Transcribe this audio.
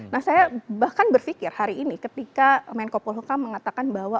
nah saya bahkan berpikir hari ini ketika menko polhukam mengatakan bahwa